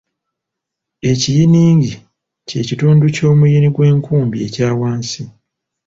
Ekiyiniggi kye kitundu ky’omuyini gw’enkumbi ekya wansi.